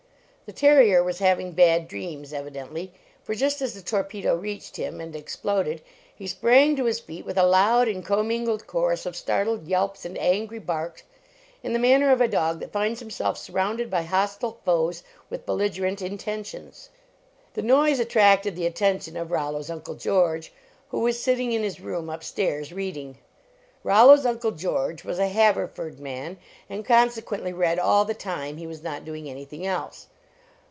The terrier was having bad dreams, evi dently, for just as the torpedo reached him and exploded, he sprang to his feet with a loud and commingled chorus of startled yelps 44 LEARNING TO WORK and angry barks, in the manner of a dog that finds him>clf surrounded by hostile foes with belligerent intentions. The noise attracted the attention of Rollo s Uncle George, who was sitting in his room up >tairs reading. Rollo s Uncle George was a Haver ford man, and consequently read all the time he was not doing anything else.